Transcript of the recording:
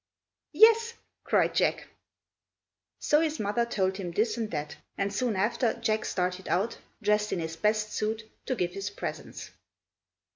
"Yes!" cried Jack. So his mother told him this and that; and soon after Jack started out, dressed in his best suit, to give his presents.